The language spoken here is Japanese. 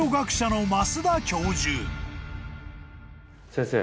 先生。